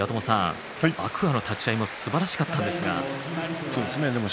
天空海の立ち合いもすばらしかったですけどね。